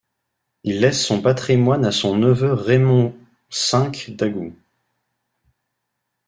Il laisse son patrimoine à son neveu Raimond V d'Agoult.